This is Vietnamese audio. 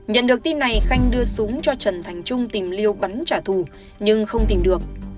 nhận được tin này khanh đưa súng cho trần thành trung tìm liêu bắn trả thù nhưng không tìm được